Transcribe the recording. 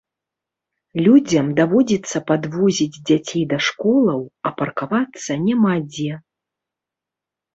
Людзям даводзіцца падвозіць дзяцей да школаў, а паркавацца няма дзе.